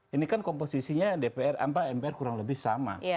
ini kan komposisinya dpr mpr kurang lebih sama